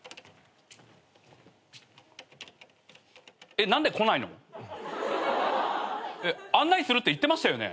えっ何で来ないの？えっ案内するって言ってましたよね？